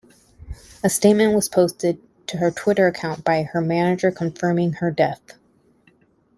A statement was posted to her Twitter account by her manager confirming her death.